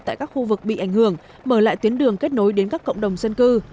tại các khu vực bị ảnh hưởng mở lại tuyến đường kết nối đến các cộng đồng dân cư